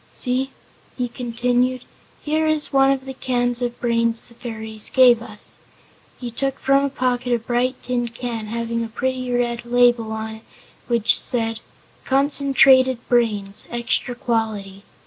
See," he continued, "here is one of the cans of brains the fairies gave us." He took from a pocket a bright tin can having a pretty red label on it which said: "Concentrated Brains, Extra Quality."